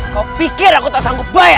kau pikir aku tak sanggup bayar